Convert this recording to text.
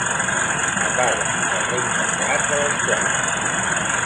Apaga el rentaplats a les quatre.